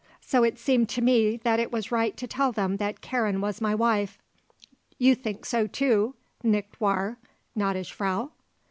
So it seemed to me that it was right to tell them that Karen was my wife. You think so, too, nicht wahr, gnädige Frau?"